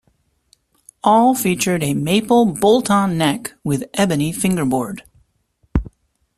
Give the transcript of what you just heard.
All featured a maple bolt-on neck with ebony fingerboard.